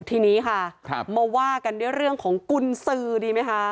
ทีนี้ค่ะมาว่ากันด้วยเรื่องของกุญสือดีไหมคะ